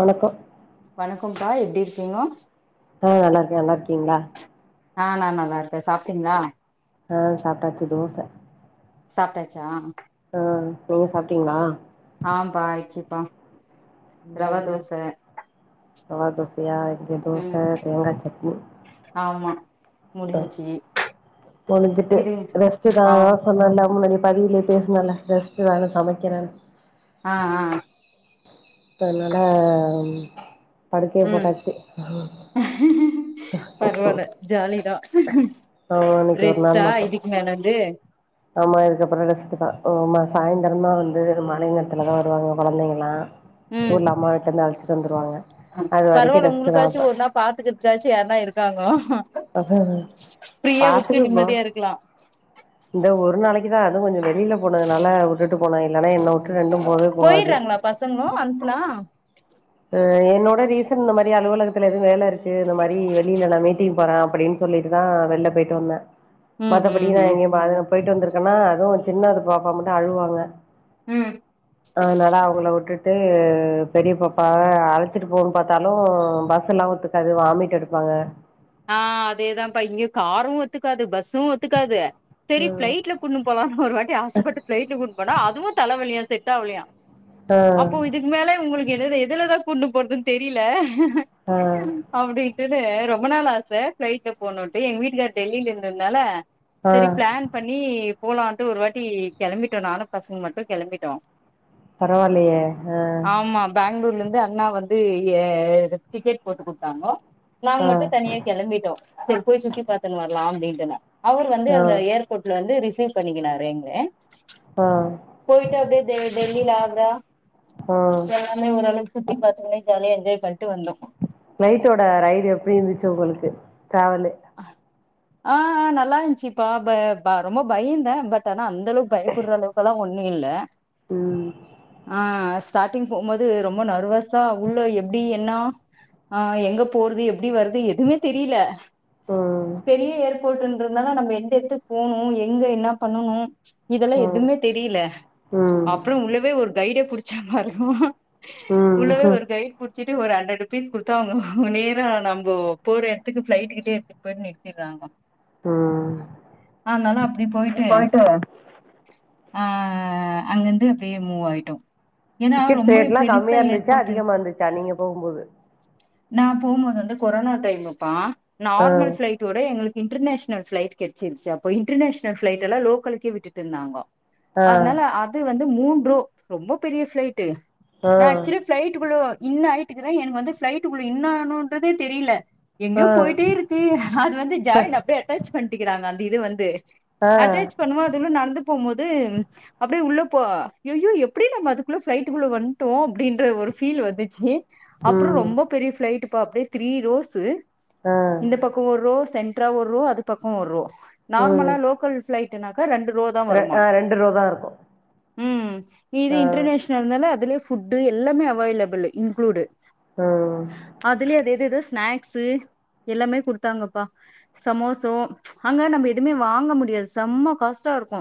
வணக்கோ வணக்கோ கா எப்டி இருக்கீங்க ஆ நல்லார்கே நல்லா இருக்கீங்ளா ஆ நா நல்லாருக்க சாப்ட்டீங்ளா அ சாப்டாச்சு தோச சாப்டாச்சா அ நீங்க சாப்ட்டீங்ளா ஆம்பா ஆயிச்சுப்பா ரவ தோச ரவா தோசையா இங்க தோச ம் தேங்கா சட்னி ஆமா முடிஞ்சு முடிஞ்சிட்டு ரெஸ்ட் தா சொன்னல்லா முன்னாடி பதியில பேசினல்ல ரெஸ்ட் தானு சமைக்கிறன் அ அ இப்ப அதுனால படுக்கய போட்டாச்சு பரவால ஜாலிதா ஆமா இன்னைக்கு ஒரு நாள் ரெஸ்ட்டா மட்டு இதுக் மேலந்து ஆமா இதுக்கப்புற ரெஸ்ட் தா ஆமா சாயந்திரமா வந்து மாலை நேரத்துல தா வருவாங்க கொழந்தைங்கலா ம் ஊர்ல அம்மா வீட்ல இருந்து அழைச்சிட்டு வந்துருவாங்க அது வரைக்கு பரவால்ல ரெஸ்ட் தா உங்களுக்காச்சு ஒரு நாள் பாத்துக்கிறதுக்காச்சு யாருனா இருக்காங்கோ இப்ப ப்ரியா வுட்டு பாத்துக்கப்போ நிம்மதியா இருக்லா இந்த ஒரு நாளைக்கு தா அது கொஞ்ச வெளியில போனதுனால வுட்டுட்டு போனா இல்லன்னா என்ன வுட்டு ரெண்டு போவே போவாது போயிட்றாங்களா பசங்களு அனுப்புனா ம் என்னோட ரீசன் இந்த மாரி அலுவலகத்துல எதுவு வேல இருக்கு இந்த மாரி வெள் வெளில நா மீட்டிங் போற அப்படின் சொல்லிட்டுதா வெள்ல போயிட்டு வந்த ம் மத்தபடி ம் நா ம் எங்கயு பாதுகா போயிட்டு வந்திருக்கன்னா அது சின்னது பாப்பா மட்டு அழுவாங்க ம் அதுனால அவுங்கள வுட்டுட்டு பெரிய பப்பாவ அழச்சிட்டு போனு பாத்தாலு பஸ் எல்லா ஒத்துக்காது வாமிட் எடுப்பாங்க ஆ அதேதா பா இங்கயு காரு ஒத்துக்காது பஸ்ஸு ஒத்துக்காது சரி பிளைட்ல கூட்னு போலானு ஒரு வாட்டி ஆசைபட்டு ப்ளைட்ல கூட்னு போனா அதுவு தலைவலியா செட் ஆவலயா ஆ அப்போ இதுக்கு மேல இவங்களுக்கு என எதுலதா கூட்னு போறதுனு தெரியல அ அப்டீட்ன்டு ரொம்ப நாள் ஆச ஃபிளைட்ல போணுட்டு எங்க வீட்டுகார் டெல்லில இருந்தந்தால ஆ செரி ப்ளான் பண்ணி போலான்ட்டு ஒரு வாட்டி கெளம்பிட்டோ நானு பசங்க மட்டு கெளம்பிட்டோ பரவால்லயே அ பேங்ளூர்லந்து அண்ணா வந்து எ டிக்கெட் போட்டு குடுத்தாங்கோ நாங்க ஆ மட்டு ஆ தனியே கெளம்பிட்டோ சேர் போய் சுத்தி பாத்துனு வரலா அப்டின் அவரு வந்து அந்த ஆ ஏர் போட்ல வந்து ரிசீவ் பண்ணிக்கினாரு எங்களய ஆ போய்ட்டு அப்டியே டெ டெல்லில ஆக்ரா ஆ எல்லாமே ஓரளவுக்கு சுத்தி பாத்து ஜாலியா என்ஜாய் பண்ட்டு வந்தோ பிளைட்டோட ரைடு எப்டி இருந்துச்சி ஒங்களுக்கு ட்ராவலு அ அ நல்லார்ஞ்ச்சிப்பா ப ப ரொம்ப பயந்த பட் ஆனா அந்த அளவுக் பயப்பட்ற அளவுக் கெலா ஒண்ணு இல்ல ம் அ அஸ் ஸ்டார்டிங் போம்போது ரொம்ப நர்வஸா உள்ள எப்டி என்னா அ எங்க போறது எப்டி வறது எதுமே தெரில ம் பெரிய ஏர்போர்ட்டுன்றதுனால நம்ம எந்த எத்துக் போணு எங்க என்ன பண்ணனு இதல்லா ம் எதுமே தெரில ம் அப்பற உள்ளவே ஒரு கைட புடிச்ச பாருங்கோ ம் உள்ளவே ஒரு கைட் புட் சிட்டு ஒரு ஹண்ட்ரட் ருபீஸ் குடுத்தா அவங்க நேரா நம்போ போற எடத்துக் ஃப்ளைட்டு கிட்டே பேயிட் நிறுத்திர்றாங்கோ ம் அனால அப்டி போயிட்டு அ அங்கந்து அப்டியே மூவாயிட்டோ டிக்கெட் ரேட்லா கம்மியா இருந்துச்சா அதிகமா இருந்துச்சா நீங்க போகும்போது நா போம்போது வந்து கொரோனா டைமுப்பா ஆ நார்மல் ஃப்ளைட்டோடே எங்ளுக்கு இன்டர்நேஷனல் பிளைட் கெடச்சிருச்சி அப்ப இன்டர்நேஷனல் பிளைட்டலா லோகலுக்கே விட்டுட்ருந்தாங்கோ ஆ அதுனால அது வந்து மூன் ரோ ரொம்ப பெரிய ஃபிளைட்டு நா ஆக்சுவலி ஆ ஃப்ளைட்டுகுள்ளோ இன்ன ஆயிட்டுக்கிற எனக்கு வந்து ஃப்ளைட்டுகுள்ள இன்ன ஆனோன்றதே தெரில எங்கியோ ஆ போயிட்டேருக்கு அது வந்து ஜாயின் அப்டியே அட்டாச் பண்ட்டிக்றாங்க அந்த இது வந்து ஆ அட்டாச் பண்ணவு அது இன்னு நடந்து போம்போது அப்டியே உள்ள போ அய்யயோ எப்டி நம்ம அதுக்குள்ள ஃப்ளைட்டுக்குள்ள வந்ட்டோ அப்டின்ற ஒரு ஃபீல் வந்துச்சி அப்பறம் ம் ரொம்ப பெரிய ஃபிளைட்டுப்பா அப்டியே த்ரீ ரோவ்ஸு ஆ இந்த பக் க்கு ஒர் ரோ சென்ட்ரா ஒர் ரோ அது பக்கொ ஒர் ரோ ம் நார்மலா லோக்கல் ஃப்ளைட்டுன்னாக்கா ரெண்டு ரோ தா ரெ வருமா ஆ ரெண்டு ரோ தா இருக்கு ம் நீ இது ஆ இன்ட்ரநேஷ் னல் அதனால அதுலே ஃபுட்டு எல்லாமே அவாய்லபுலு இன்க்ளூடு ஓ அதுலே அது எது எதோ ஸ்நாக்ஸு எல்லாமே குடுத் த்தாங்கப்பா சமோசோ அங்க நம்ழ எதுவுமே வாங்க முடியாது செம்ம காஸ்டா இருக்கு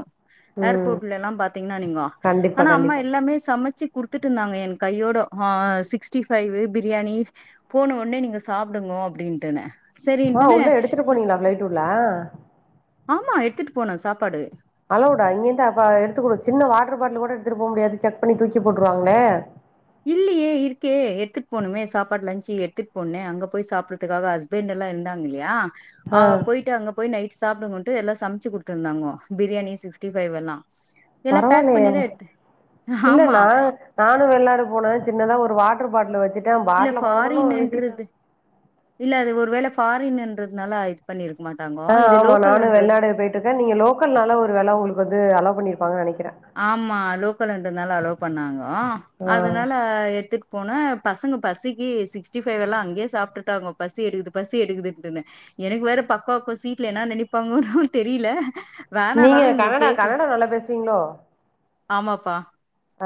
ம் ஏர்போட்லேல்லா பாத்தீங்ன்னா நீங்கோ கண்டிப்பா ஆனா அம்மா கண்டிப்பா எல்லாமே சமச்சி குடுத் த்துட்ருந்தாங்க என் கையோடோ ஹ சிக்ஸ்டி ஃபைவு பிரியாணி போன ஒட்னே நீங்க சாப்டுங்கோ அப்டின்ட்டனே அ உள்ள எடுத்துட்டு போனீங்ளா ஃப்ளைட் உள்ள ஆமா எடுத்துட்டு போன சாப்பாடு அலோவுடா இங்கந்து அப்ப எடுத்துக்குடு சின்ன வாட்ரு பாட்லு கூட எடுத்துட்டு போமுடியாது செக் பண்ணி தூக்கி போட்டுருவாங்ளே இல்லியே இருக்கே எடுத்துட் போனமே சாப்பாட் லஞ்சு எடுத்துட் போனனே அங்க போய் சாப்பறத்துக்காக ஹஸ்பண்ட்லா இருந்தாங்க இல்லயா ஆ அ போயிட்டு அங்க போய் நைட் சாப்டுங்கோன்ட்டு எல்லா சமைச்சி குடுத்துருந்தாங்கோ பிரியாணி சிக்ஸ்டி ஃபைவெல்லா எல்லா பேக் பரவாயில்லையே பண்ணிதா எட்த்து ஆமா நானு வெள்நாடு போனே சின்னதா ஒரு வாட்ரு பாட்லு வச்சுட்ட இல்ல பாட்ல மொதக்கொண்டு வீசிட்டாங்க ஃபாரின்ன்றது இல்ல அது ஒரு வேள ஃபாரின்னுன்றதுனால இது பண்ணிர்க்க மாட்டாங்கோ இது லோக்கல்ன்றது டுக்கா நீங்க லோக்கல்னால ஒரு வேள ஒங்குளுக்கு வந்து அலோ பண்ணிருப்பாங்கனு நெனைக்கிற ஆமா லோக்கலுன்றனால அலோ பண்ணாங்கோ ஆ அதுனால எடுத்துட் போன பசங்க பசிக்கு சிக்ஸ்டி ஃபைவ் எல்லா அங்கயே சாப்ட்டுட்டாங்கோ பசி எடுக்குது பசி எடுக்குதுட்டுனு எனக்கு வேற பக்கோக்கு சீட்ல என்ன நெனைப்பாங்கோன்னு தெரில நீங்க வேணானாலு இவுங்க கனடா கேக்கல கனடா நல்லா பேசுவீங்களோ ஆமாப்பா ஆ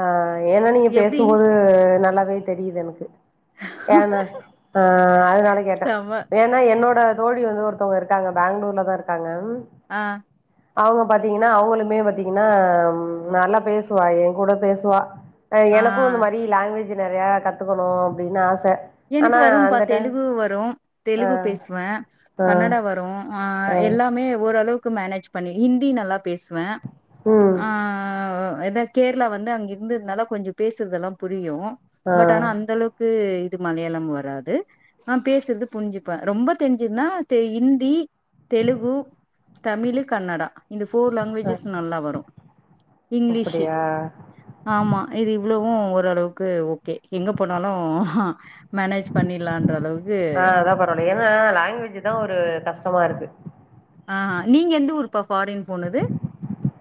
ஏன்னா நீங்க எப்டி பேசும்போது நல்லாவே தெரியுது எனக்கு ஏன நா ஆ அதனால கேட்டே செம ஏன் னா என்னோட தோழி வந்து ஒருத்தவங்க இருக்காங்க பேங்ளூர்லதா இருக்காங்க ம் ஆ அவங்க பாத்தீங்கன்னா அவங்களுமே பாத்தீங்கன்னா நல்லா பேசுவா ஏ கூட பேசுவா அ ஆ எனக்கு இந்த மாரி லாங்குவேஜ் நெறையா கத்துக்கணு அப்டின்னு ஆச ஆனா எனக்கு வரும் பா அந்த டைம் தெலுங்கு வரும் ஆ. தெலுங்கு பேசுவே ஆ. கன்னடா வரு ஆ எல்லாமே ஓரளவுக்கு மேனேஜ் பண்ணி இந்தி நல்லா பேசுவே ம் ஆ எதா கேரளா வந்து அங்க இருந்ததுனால கொஞ்சொ பேசுறதெல்லா புரியு ஆ. பட் ஆனா அந்த அளவுக்கு த்து மலையாளம் வராது ஆ பேசுறது புரிஞ்சுப்ப ரொம்ப தெரிஞ்சுதுன்னா தெ ஹிந்தி தெலுங்கு, தமிழு, கன்னடா இந்த ஃபோர் அ. லாங்குவேஜஸ் நல்லா வரும் இங்கிலீஷு அப்படியா? ஆமா இது இவ்வளவும் ஓரளவுக்கு ஓகே எங்க போனாலும் அ மேனேஜ் பண்ணிலாம்ற அளவுக்கு ஆ அதான் பரவால்லை ஏன்னா லாங்குவேஜ் தான் ஒரு கஷ்டமா இருக்கு ஆ நீங்க எந்த ஊர்ப்பா ஃபாரின் போனது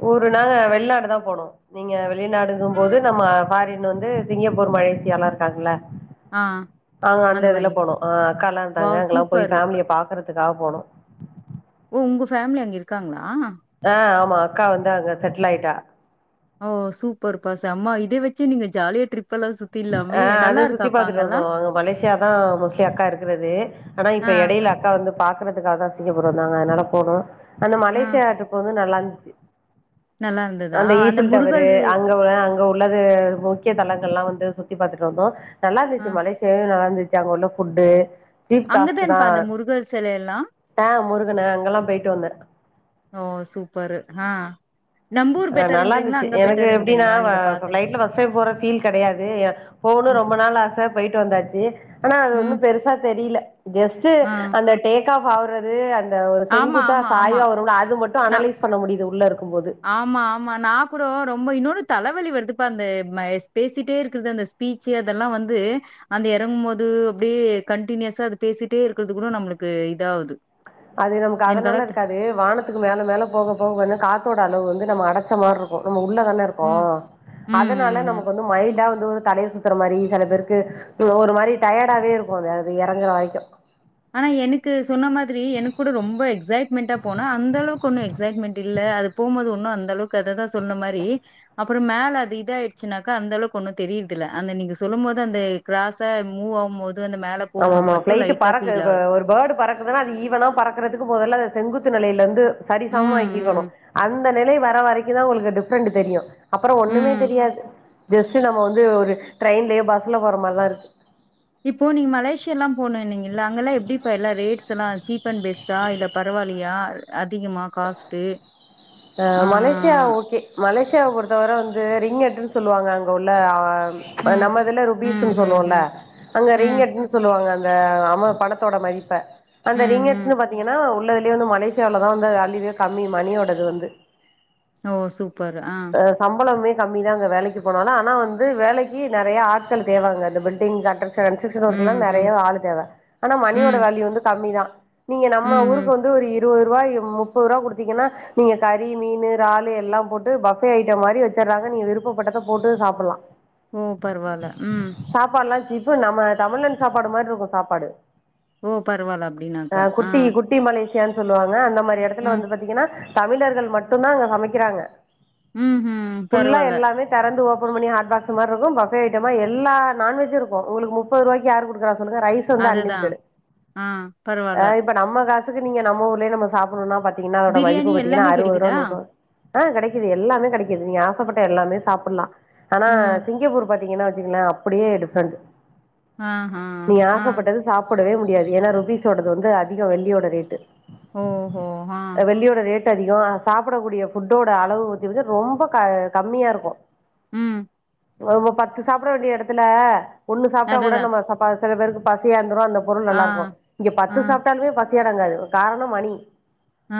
ஊரு நா வெளிநாடு தான் போனோம் நீங்க வெளிநாடுங்க போது நம்ம ஃபாரின் வந்து சிங்கப்பூர் மலேசியாலாம் இருக்காங்கள ஆ ஆங் அந்த இதுல போனும் அ அக்கா எல்லாம் இருந்தாங்க வாவ் அங்கெல்லாம் போய் சூப்பரு ஃபேமிலிய பாக்கறதுக்காக போனோம் ஓ உங்க ஃபேமிலி அங்க இருக்காங்களா அ ஆமா அக்கா வந்து அங்க செட்டுல் ஆயிட்டா ஓ சூப்பர் பா செம இதை வச்சு நீங்க ஜாலியா ட்ரிப் எல்லாம் சுத் அ அ அது சுத்தி பாத்துட்டு வந்தோம் அங்க மலேசியா தான் மோஸ்ட்லி அக்கா இருக்கிறது ஆனா ஆ, இப்ப எடையில அக்கா வந்து பாக்குறதுக்காக சிங்கப்பூர் வந்தாங்க அதனால போனோம் அந்த ஆ. மலேசியா டீரிப் வந்து நல்லா இருந்துச்சு நல்லா இருந்ததா? அந்த ஈஃபில் டவரு முருகர் அங்க உள்ள அங்க உள்ளது முக்கிய தலங்கள் எல்லாம் வந்து சுத்தி பாத்துட்டு வந்தோம் நல்லா ஆ இருந்துச்சு மலேசியாவே நல்லா இருந்துச்சு அங்க உள்ள ஃபுட்டு சீப் அங்க காஸ்ட்டு தான்ப்பா தான் அந்த முருகர் சிலையெல்லாம்? த முருகன அங்கல்லாம் போயிட்டு வந்தேன் ஓ சூப்பரு ஆ நம்பூர் அ நல்லா பெட்டர்ன்றீங்களா? இருந்துச்சு அங்க எனக்கு எப்படின்னா பெட்டர்ன்றீங்களா? நீங்க அ பாத்து. நைட்ல ஃபஸ்டைம் போற ஃபீல் கிடையாது ய போணும் ம், ரொம்ப நாள் ஆச போயிட்டு வந்தாச்சு ஆனா அது ம். வந்து பெருச் சா தெரியல ஜஸ்ட் ஆ. அந்த டேக் ஆஃப் ஆவுறது வந்து ஒரு ஆமா, செங்குத்தா ஆமா, ஆமா. சாய்வா வரும்ல அது மட்டும் நான் அனலைஸ் பண்ண முடியுது உள்ள இருக்கும்போது ஆமா ஆமா நா கூட ரொம்ப இன்னொன்னு தலைவலி வருதுப்பா அந்த மைஸ் பேசிட்டே இருக்குது அந்த பீச்சு அதெல்லாம் வந்து அந்த எறங்கும் போது அப்படியே கண்டனியூஸா அது பேசிட்டே இருக்கறது கூட நம்மளுக்கு இதாகுது அது நமக்கு அதனால இருக்காது அது வானத்துக்கு மேல மேல போக போக காத்தோட அளவு வந்து நம்ம அடச்ச மாரி இருக்கும் நம்ம உள்ளதான ம். இருக்கும் ம், அதனால ம், ம். நமக்கு வந்து மைல்டா வந்து ஒரு தலைய சுத்துற மாதிரி சில பேருக்கு சோ ஒரு மாதிரி டயர்டாவே இருக்கும் அது அது எறங்குற வரய்கும் ஆனா எனக்கு சொன்ன மாதிரி எனக்கு கூட ரொம்ப எக்ஸைட்மெண்ட்டா போன அந்த அளவுக்கு ஒன்னு எக்ஸைட்மெண்ட் இல்ல அது போம்போது ஒன்னும் அந்த அளவுக்கு அததான் சொன்ன மாரி அப்புறம் மேல அது இத ஆயிருச்சுனாக்கா அந்த அளவுக்கு ஒன்னும் தெரியுதுல்ல அந்த நீங்க சொல்லும் போது அந்த கிராஸ மூவ் ஆகும்போது அந்த மேல ஆமா போம்போது ஆமா மட்டும் பிளைட் லைட்டா ஃபீல் பறக்குது ஆகுது. ஒரு பேர்டு பறக்குதுன்னா அது ஈவ்வனா பறக்குறதுக்கு மொதல்ல செங்குத்து நிலையில இருந்து சரிசமமாக்கிக்கணும் ம், ம், அந்த நிலை வர வரைக்கும் தான் உங்களுக்கு டிஃப்ரெண்ட் தெரியும் அப்புறம் ஒண்ணுமே ம். தெரியாது ஜஸ்ட் நம்ம வந்து ஒரு ட்ரெயின்லயே பஸ்ல போற மாரிதான் இருக்கு இப்போ நீங்க மலேசியா எல்லாம் போனும்னீங்களா அங்கல்லாம் எப்படிப்பா எல்லா ரேட்ஸ் எல்லாம் சீப் அன் பெஸ்ட்டா இல்ல பரவால்லயா அதிகமா காஸ்ட்டு அ ஆ. மலேசியா ஓகே மலேசியாவ பொறுத்தவர வந்து ரிங் எட்டுன்னு சொல்லுவாங்க அங்க உள்ள ஆ ம், நம்மதுல ம், ருபீஸ்ன்னு ம், சொல்லுவோம்ல்ல ம், அங்க ம், ரிங்கட்டுனு சொல்லுவாங்க அ ந்த ஆமா பணத்தோட மதிப்ப அந்த ம், ம். ரிங்கட்சுனு பாத்தீங்கன்னா உள்ள ங்க வந்து மலேசியாலதான் வந்து அல்லிவேர் கம்மி மணியோடது வந்து ஓ சூப்பர் ஆ அ சம்பளமே கம்மி தாங்க வேலைக்கு போனாலும் ஆனா வந்து வேலைக்கு நெறைய ஆட்கள் தேவைங்க இந்த பில்டிங் காண்ட்ராக் கண்ரக்ஸன் வொர்க்குலா ம் நெறைய ம் ஆளு தேவை ஆனா மணியோட ம் வேல்யூ வந்து கம்மி தான் நீங்க நம்ம ம் ஊருக்கு ம் வந்து ஒரு இரு இருவது ரூவா முப்பது ரூவா குடுத்தீங்கன்னா நீங்க கறி மீன் ராலு எல்லாம் போட்டு பஃபே ஐட்டம் மாரி வச்சறாங்க நீ விருப்பப்பட்டதை போட்டு சாப்லாம் ஓ பரவால்ல ம் சாப்பால்லாம் சீப்பு நம்ம தமிழன் சாப்பாடு மாறி இருக்கும் சாப்பாடு ஓ பரவால்ல அ அப்படின்னாக்கா ஆ குட்டி குட்டி மலேசியான்னு சொல்லுவாங்க அந்த மாதிரி இடத்துல ம் வந்து பாத்தீங்கன்னா தமிழர்கள் மட்டுந்தான் அங்க சமைக்கறாங்க ம்ஹும் ஃபுல்லா பரவால்ல எல்லாமே தெறந்து ஓபன் பண்ணி ஹட்பாக்ஸ் மாதிரி இருக்கும் பஃபே ஐட்டமா எல்லா நான்வெஜ்ம் இருக்கும் உங்களுக்கு முப்பது ரூபாய்க்கு யார் குடுக்கறா சொல்லுங்க ரைஸ் வந்து அதுதான் அன்லிமிட்டெடு ஆ பரவால்ல இப்போ நம்ம காசுக்கு நீங்க நம்ம ஊர்லய நம்ம சாப்பணும்னா பாத்தீங்கன்னா அதோட மதிப்பு பிரியாணி பாத்தீங்கன்னா எல்லாமே அறுவது ரூவா கெடைக்குதா நூறுபா ஆ கெடைக்குது எல்லாமே கெடைக்குது நீங்க ஆசைப்பட்ட எல்லாமே சாப்பல்லா ஆனா ம் சிங்கப்பூர் பாத்தீங்கன்னா வச்சுக்கங்லேன் அப்படியே டிஃப்ரெண்ட் ஆஹா நீங்க ஆ ஆசைப்பட்டது சாப்பிட படவே முடியாது ஏன்னா ருப்பீஸ்சோடுது வந்து அதிகம் வெள்ளியோட ரேட்டு ஓஹோ ஆ வெள்ளியோட ரேட் டு அதிகம் சாப்பிடக்கூடிய ஃபுட்டோட அளவு ஊத்தி ஊத்தி ரொம்ப கம்மியா இருக்கும் ம் பத்து சாப்பிட வேண்டிய இடத்துல ஒண்ணு சாப்பிட்டா கூட அதுதா நம்ம ச சில பேருக்கு பசியாந்துரு அந்த பொருள் ஆ நல்லாருக்கும் இங்க பத்து ஆ சாப்பிட்டாலுமே பசியடங்காது காரணம் மணி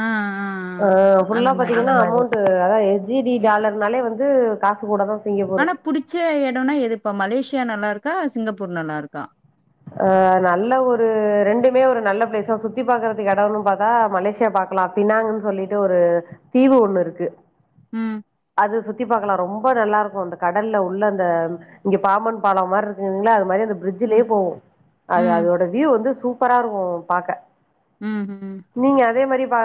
ஆ ஆ ஆ ஃபுல்லா அந்த மாரி பாத்தீங்கன்னா அமௌண்ட்டு அதா எஸ் ஜி டி டாலர்னாலே வந்து காசு கூட தா ஆனா புடிச்ச இடம்னா எதுப்பா மலேசியா நல்லாருக்கா சிங்கப்பூர் நல்லாருக்கா ஆ நல்ல ஒரு ரெண்டுமே ஒரு நல்ல பிளேஸ் சுத்தி பாக்கறதுக்கு இடம்ன்னு பாத்தா மலேசியா பாக் லா பின்னாங்கன்னு சொல்லிட்டு ஒரு தீவு ஒண்ணு இருக்கு ம் அது சுத்தி பாக்கலாம் ரொம்ப நல்லாருக்கும் அந்த கடல்ல உள்ள அந்த இங்க பாம்பன் பாலம் மாறி இருக்குங்களா அது மாதிரி அந்த பிரிட்ஜலயே ம் போவோம் அது ம் அதோட வியூவ் வந்து சூப்பரா இருக்கும் பாக்க ம்ம் நீங்க அதே மாறி அ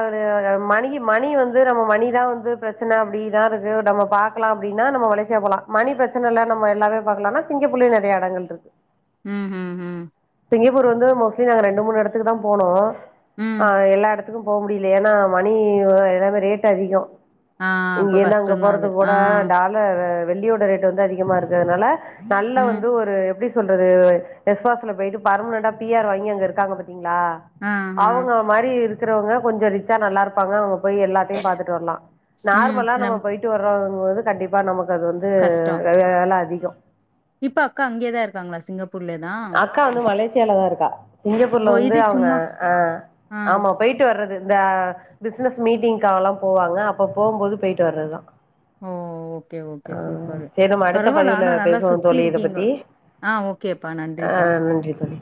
அ மணிக்கு மணி வந்து நம்ம மணிதான் வந்து பிரச்சனை அப்படி தா இருக்கு நம்ம பாக்கலாம் அப்படினா நம்ம மலேசியா போலாம் மணி பிரச்சனை இல்ல நம்ம எல்லாமே பாக்கலா சிங்கப்பூர் லயே நிறைய இடங்கள் இருக்கு ம் ம்ம் சிங்கப்பூர் வந்து மோஸ்ட்லி நாங்க ரெண்டு மூணு இடத்துக்கு தான் போனோம் ம் ம் ஆ எல்லா இடத்து க்கும் போக முடியல ஏன்னா மணி எல்லாமே ரேட் அதிகம் இங்க அப்ப இருந்து அங்க கஷ்டம் தான் அது. போறதுக்கு ஆ. கூட டால் வெள்ளியோட ரேட் வந்து அதிகமா இருந்துதுனால நல்ல ம். வந்து ஒரு எப்படி சொல்றது எஸ்வாஸ்ல போயிட்டு பர்மனட்டா பி ர் வாங்கி அங்க இருக்காங்க பாத்தீங்களா ஆ, ஆ. அவங்க மாதிரி இருக்கிறவங்க கொஞ்சம் ரிச்சா நல்லா இருப்பாங்க அவங்க போய் எல்லாத்தையும் பாத்துட்டு வரலாம் ம். நார்மலா நம்ம நம் போயி்ட்டு வர்றங்குபோது கண்டிப்பா நமக்கு அது வந்து கஷ்டம். வெலை அதிகம் இப்ப அக்கா அங்கியேதா இருக்கங்களா சிங்கப்பூர் சிங்கப்பூர்லயே தா அக்கா வந்து மலேசியாலதா இருக்கா ஓ! சிங்கப்பூர்ல வந்து இது அவங்க சும்மா ஆ ஆ. ஆமா பெய்ட்டு வர்றது இந்த பிஸ்னஸ் மீட்டிங்க்காகலா போவாங்க அப்ப போகும்போது பெய்ட்டு வர்றத்தா ஓ ஓகே ஓகே சூப்பரு சேரி நம்ம அடுத்த பரவால பதிவுல ஆனா நல்லா பேசுவோ தோழி இத சுத்திருக்கீங்கே பத்தி அ ஓக் கேப்பா ஆ நன்றிப்பா நன்றி தோழி